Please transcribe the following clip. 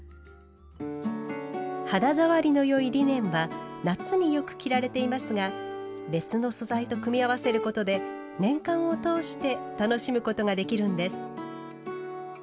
肌触りの良いリネンは夏によく着られていますが別の素材と組み合わせることで年間を通して楽しむことができるんです。